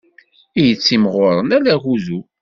I yettimɣuṛen ala agudu.